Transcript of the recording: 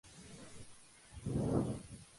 Hyun Jin-geon se dedicó a escribir obras realistas.